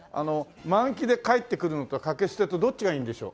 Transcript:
満期で返ってくるのと掛け捨てとどっちがいいんでしょう？